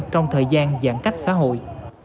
trong thời gian giãn cách xã hội